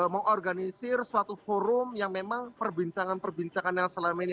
mengorganisir suatu forum yang memang perbincangan perbincangan yang selama ini